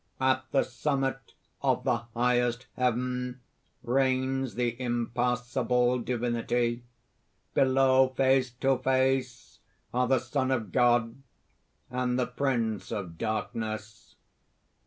"At the summit of the highest heaven reigns the impassible Divinity; below, face to face, are the Son of God and the Prince of Darkness.